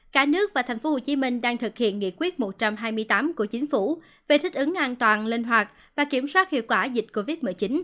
cả nước và tp hcm đang thực hiện nghị quyết một trăm hai mươi tám của chính phủ về thích ứng an toàn linh hoạt và kiểm soát hiệu quả dịch covid một mươi chín